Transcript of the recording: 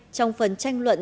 trong phần tranh luận